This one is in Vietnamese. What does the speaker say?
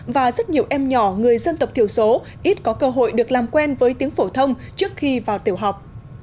và rất nhiều em nhỏ người dân tộc thiểu số ít có cơ hội được làm quen với tiếng phổ thông trước khi vào tiểu học